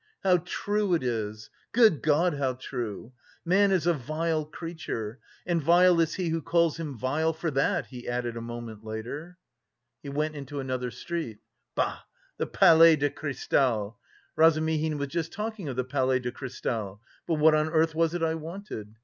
How true it is! Good God, how true! Man is a vile creature!... And vile is he who calls him vile for that," he added a moment later. He went into another street. "Bah, the Palais de Cristal! Razumihin was just talking of the Palais de Cristal. But what on earth was it I wanted?